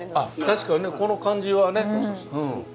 確かにこの感じはね。